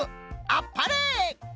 あっぱれ！